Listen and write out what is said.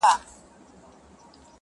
o د سكون له سپينه هــاره دى لوېـدلى؛